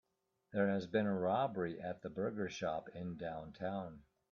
There has been a robbery at the burger shop in downtown.